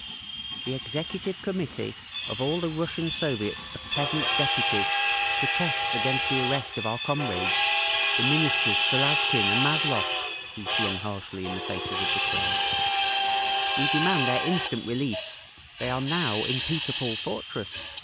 "The Executive Committee of the All Russian Soviets of Peasants' Deputies protests against the arrest of our comrades, the Ministers Salazkin and Mazlov!" he flung harshly in the faces of the crowd, "We demand their instant release! They are now in Peter Paul fortress.